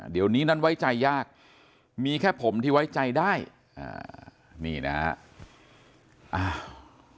เดี๋ยวนี้นั้นไว้ใจยากมีแค่ผมที่ไว้ใจได้อ่านี่นะฮะ